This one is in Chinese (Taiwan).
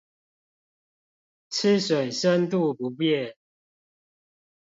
吃水深度不變